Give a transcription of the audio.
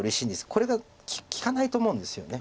これが利かないと思うんですよね。